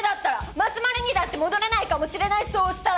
まつまるにだって戻れないかもしれないそうしたら！